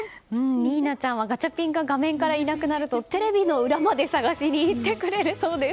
新奈ちゃんはガチャピンがいなくなるとテレビの裏まで探しに行ってくれるそうです。